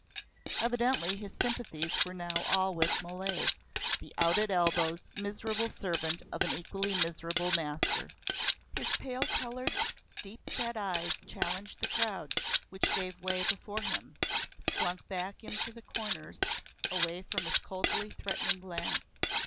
Evidently his sympathies now were all with Mole, the out at elbows, miserable servant of an equally miserable master. His pale coloured, deep set eyes challenged the crowd, which gave way before him, slunk back into the corners, away from his coldly threatening glance.